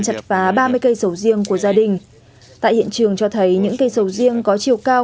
chặt phá ba mươi cây sầu riêng của gia đình tại hiện trường cho thấy những cây sầu riêng có chiều cao